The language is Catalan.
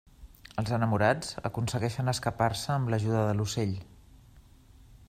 Els enamorats aconsegueixen escapar-se amb l'ajuda de l'Ocell.